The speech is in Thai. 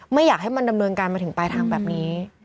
ไม่อยากให้มันดำเนินการมาถึงปลายทางแบบนี้